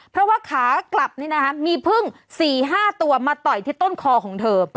เพราะว่าขากลับมีพึ่ง๔๕ตัวมาต่อยที่ต้นคอของเธอ